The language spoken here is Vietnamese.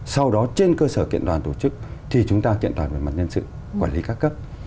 sau đó trên cơ sở kiện toàn tổ chức thì chúng ta kiện toàn về mặt nhân sự quản lý các cấp